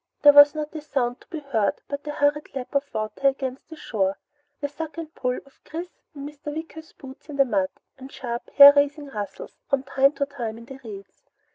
There was not a sound to be heard but the hurried lap of water against the shore, the suck and pull of Chris's and Mr. Wicker's boots in the mud, and sharp, hair raising rustles, from time to time, in the reeds.